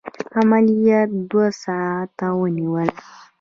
عملیات دوه ساعته ونیول.